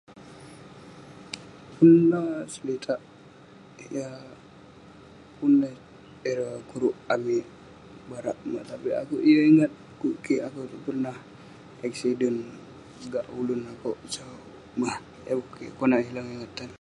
Pun la seritak [unintelligible] ireh guruk amik barak monak amik tapik akouk yeng ingat. Kuk kik akouk itouk pernah accident gak ulun sau mah, yah kuk kik konak hilang ingatan.